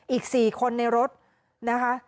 อีก๔คนในรถนะคะ